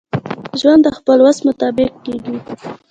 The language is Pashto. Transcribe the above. ژوند دخپل وس مطابق کیږي.